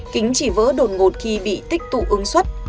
kính chỉ vỡ đột ngột khi bị tích tụ ứng xuất